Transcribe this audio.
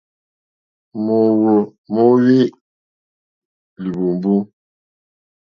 Mǒhwò móhwí líhwùmbú.